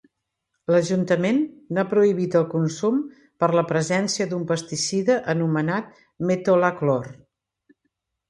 L'Ajuntament n'ha prohibit el consum per la presència d'un pesticida anomenat Metolaclor.